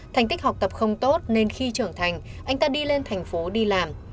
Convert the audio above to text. thành tích học tập không tốt nên khi trưởng thành anh ta đi lên thành phố đi làm